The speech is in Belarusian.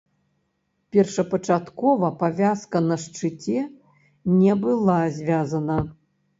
Першапачаткова павязка на шчыце не была звязана.